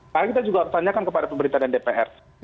karena kita juga tanyakan kepada pemerintah dan dpr